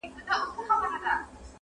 ته راته وعده خپل د کرم راکه,